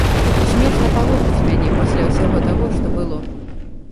Смешна палохаць мяне, пасля ўсяго таго, што было.